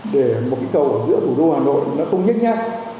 để một cây cầu ở giữa thủ đô hà nội nó không nhét nhát